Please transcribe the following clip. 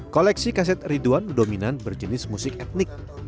koleksi kaset ridwan dominan berjenis musik etnik